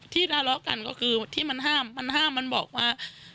ทะเลาะกันก็คือที่มันห้ามมันห้ามมันบอกว่า